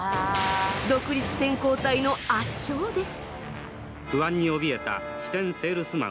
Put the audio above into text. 独立先攻隊の圧勝です。